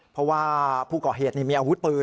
เพราะว่าผู้ก่อเหตุมีอาวุธปืน